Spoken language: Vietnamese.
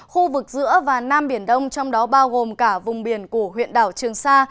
khu vực giữa và nam biển đông trong đó bao gồm cả vùng biển của huyện đảo trường sa